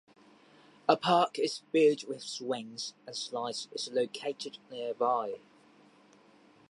A park is built with swings and slides is located nearby.